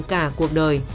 cả cuộc đời